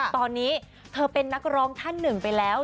ตอนนี้เธอเป็นนักร้องท่านหนึ่งไปแล้ว